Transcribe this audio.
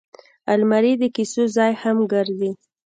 الماري د کیسو ځای هم ګرځي